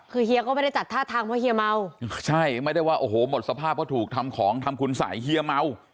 คือเฮียก็ไม่ได้จัดท่าทางว่าเฮียเมาใช่ไม่ได้ว่าโอ้โหหมดสภาพเพราะถูกทำของทำคุณสัยเฮียเมา